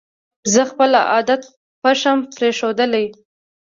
زه خپل عادت پشم پرېښودلې